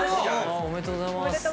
おめでとうございます。